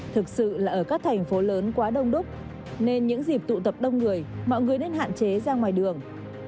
thực sự là ở các thành phố lớn quá đông đúc nên những dịp tụ tập đông người mọi người nên hạn chế ra ngoài đường